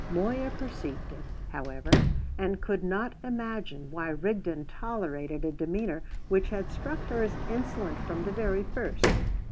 Moya perceived it, however, and could not imagine why Rigden tolerated a demeanour which had struck her as insolent from the very first.